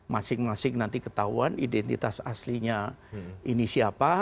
masing masing nanti ketahuan identitas aslinya ini siapa